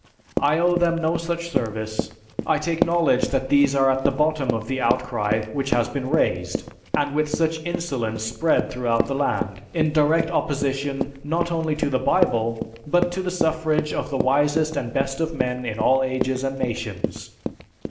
I owe them no such service. I take knowledge that these are at the bottom of the outcry which has been raised, and with such insolence spread through the land, in direct opposition, not only to the Bible, but to the suffrage of the wisest and best of men in all ages and nations.